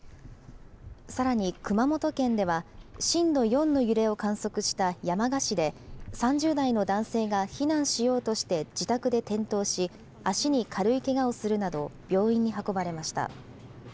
さらに、熊本県では、震度４の揺れを観測した山鹿市で３０代の男性が避難しようとして自宅で転倒し、足に軽いけがをするなど、病院に運ばれました。